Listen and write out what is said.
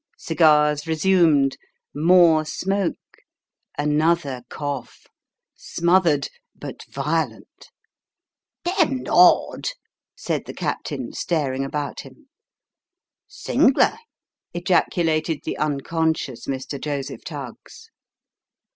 Cigars resumed more smoke another cough smothered, but violent. " Damned odd !" said the captain, staring about him. " Sing'ler !" ejaculated the unconscious Mr. Joseph Tuggs.